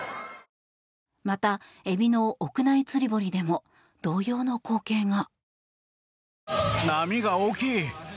また、エビの屋内釣り堀でも同様の光景が。